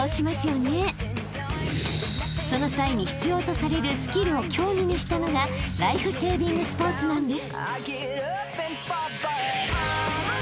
［その際に必要とされるスキルを競技にしたのがライフセービングスポーツなんです］